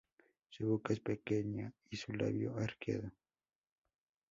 Su boca es pequeña, y su labio arqueado.